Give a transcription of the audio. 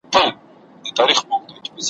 شین خا لۍ